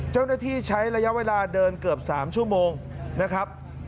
เจ้าหน้าที่ใช้ระยะเวลาเดินเกือบ๓ชั่วโมงนะครับ